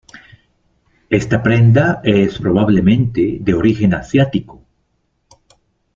Esta prenda es probablemente de origen asiático.